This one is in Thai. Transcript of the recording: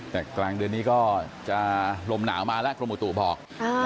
แต่กลางเดือนนี้ก็จะลมหนาวมาแล้วกรมอุตุบอก